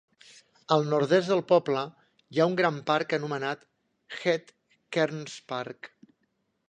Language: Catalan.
Al nord-est del poble hi ha un gran parc anomenat "Het Kernspark".